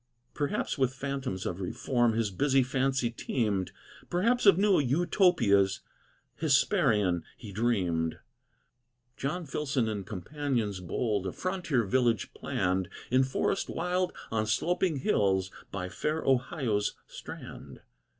Perhaps with phantoms of reform His busy fancy teemed, Perhaps of new Utopias Hesperian he dreamed. John Filson and companions bold A frontier village planned, In forest wild, on sloping hills, By fair Ohio's strand.